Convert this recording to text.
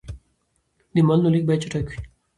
د مالونو لېږد باید چټک وي.